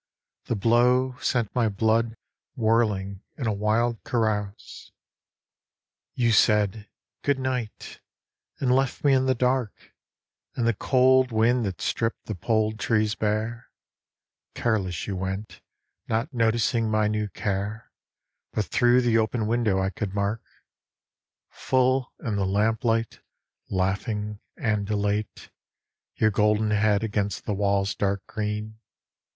The blow Sent my blood whirling in a wild carouse. 30 IN THE NET OF THE STARS You said, Good night, and loft me in the dark, And the cold wind that stripped the polled trees bare ; Careless you went, not noting my new care, But through the open window I could mark, Full in the lamplight, laughing and elate, Your golden head against the wall's dark green.